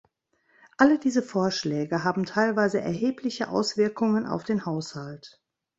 Alle diese Vorschläge haben teilweise erhebliche Auswirkungen auf den Haushalt.